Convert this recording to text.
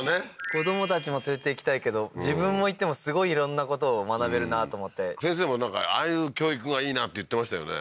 子供たちも連れて行きたいけど自分も行ってもすごい色んなことを学べるなと思って先生もなんかああいう教育がいいなって言ってましたよね